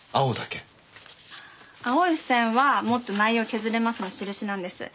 青い付箋はもっと内容を削れますの印なんです。